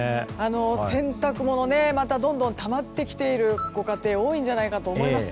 洗濯物どんどんたまってきているご家庭が多いんじゃないかと思います。